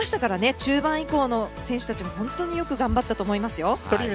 中盤以降の選手たちも本当によく頑張ったと思いますよ。